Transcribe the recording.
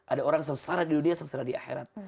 ada orang sengsara di dunia sengsara di akhirat